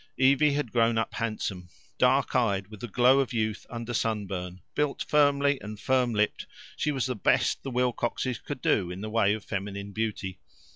Evie had grown up handsome. Dark eyed, with the glow of youth under sunburn, built firmly and firm lipped, she was the best the Wilcoxes could do in the way of feminine beauty.